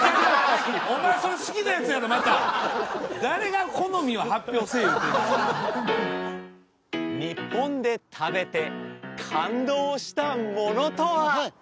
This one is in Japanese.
お前それ好きなやつやろまた誰が好みを発表せえ言うてんねん日本で食べて感動したものとは？